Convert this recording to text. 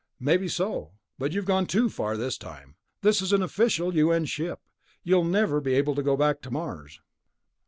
"Maybe so ... but you've gone too far this time. This is an official U.N. ship. You'll never be able to go back to Mars."